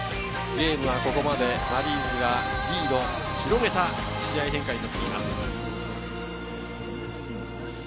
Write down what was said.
ゲームはここまでマリーンズがリードを広げた試合展開になっています。